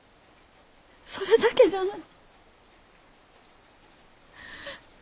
それだけじゃのに。